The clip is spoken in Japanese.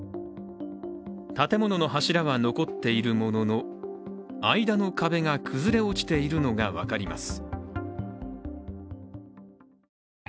建物の柱は残っているものの間の壁が崩れ落ちているのが分かります。